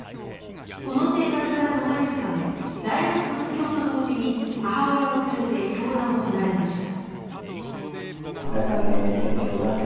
この生活から逃れるため大学卒業と同時に母親を連れて教団を離れました。